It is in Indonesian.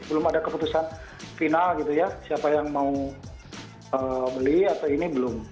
belum ada keputusan final gitu ya siapa yang mau beli atau ini belum